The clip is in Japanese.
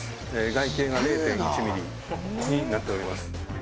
外径が０．１ミリになっております